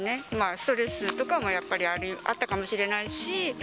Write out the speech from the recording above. ストレスとかもやっぱりあったかもしれないし。